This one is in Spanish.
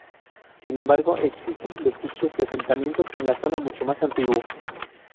Sin embargo, existen vestigios de asentamientos en la zona mucho más antiguos.